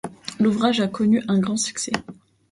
L'ouvrage a connu un grand succès.